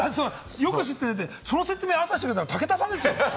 よく知ってるねって、その説明、朝してくれたの、武田さんですよ？